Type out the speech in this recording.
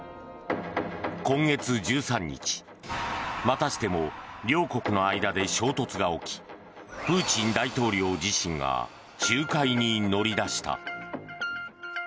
今月１３日、またしても両国の間で衝突が起きプーチン大統領自身が仲介に乗り出した。